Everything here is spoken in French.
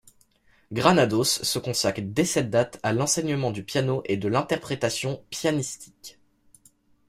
Granados se consacre dès cette date à l'enseignement du piano et de l'interprétation pianistique.